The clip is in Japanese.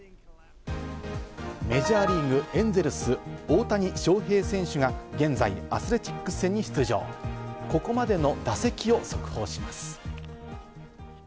メジャーリーグ、エンゼルス・大谷翔平選手が現在アスレチックス戦に出場、ここまでの打席を速報します。